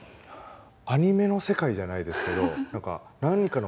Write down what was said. アニメの世界じゃないですけど何か何かの物語の。